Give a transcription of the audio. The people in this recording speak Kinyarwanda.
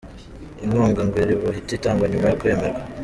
Inkunga ngo iri buhite itangwa nyuma yo kwemerwa.